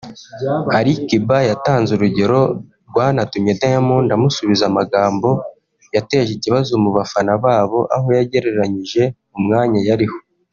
Ali Kiba yatanze urugero rwanatumye Diamond amusubiza amagambo yateje ikibazo mu bafana babo aho yagereranyije umwanya yariho